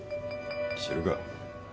知るか。